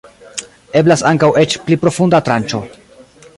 Eblas ankaŭ eĉ pli profunda tranĉo.